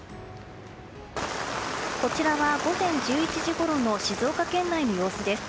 こちらは午前１１時ごろの静岡県内の様子です。